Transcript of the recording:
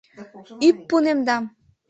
— Ӱппунемдам.